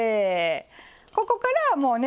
ここからはもうね